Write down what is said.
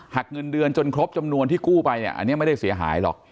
เงินเดือนจนครบจำนวนที่กู้ไปเนี่ยอันนี้ไม่ได้เสียหายหรอก